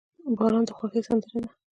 • باران د خوښۍ سندره ده.